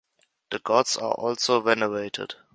The Gods are also venerated.